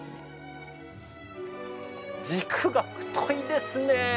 軸が太いですね。